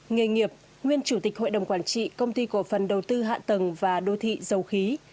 nghề nghiệp nguyên chủ tịch hội đồng quản trị công ty cổ phần đầu tư hạ tầng và đô thị dầu khí